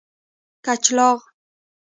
کچلاغ